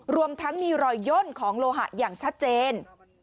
รวมทั้งมีรอยย่นของโลหะอย่างชัดเจน